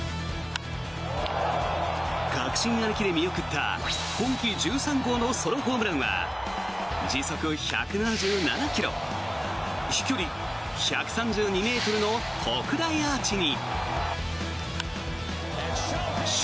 確信歩きで見送った今季１３号のソロホームランは時速１７７ｋｍ飛距離１３２ｍの特大アーチに。